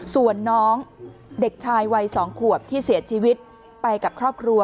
ส่วนน้องเด็กชายวัย๒ขวบที่เสียชีวิตไปกับครอบครัว